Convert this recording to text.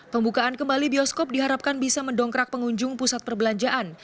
pembukaan kembali bioskop diharapkan bisa mendongkrak pengunjung pusat perbelanjaan